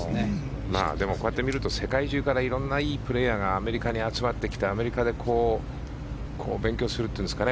こうやって見ると世界中からこんなにいいプレーヤーがアメリカに集まってきてアメリカで勉強するというんですかね。